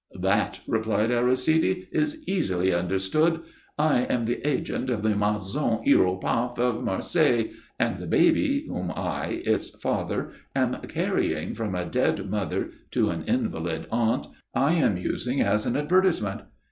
"That," replied Aristide, "is easily understood. I am the agent of the Maison Hiéropath of Marseilles, and the baby, whom I, its father, am carrying from a dead mother to an invalid aunt, I am using as an advertisement.